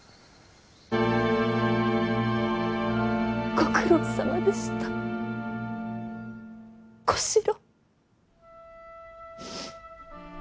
ご苦労さまでした小四郎。